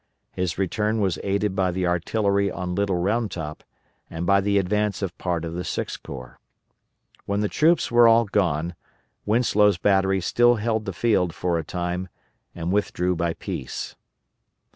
His return was aided by the artillery on Little Round Top, and by the advance of part of the Sixth Corps. When the troops were all gone, Winslow's battery still held the field for a time, and withdrew by piece.